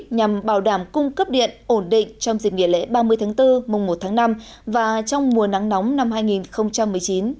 nhằm bảo đảm cung cấp điện ổn định trong dịp nghỉ lễ ba mươi tháng bốn mùng một tháng năm và trong mùa nắng nóng năm hai nghìn một mươi chín